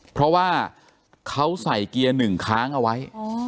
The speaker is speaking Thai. เพราะว่าเขาใส่เกียร์หนึ่งค้างเอาไว้